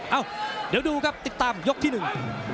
เอ้าเดี๋ยวดูครับติดตามยกที่หนึ่ง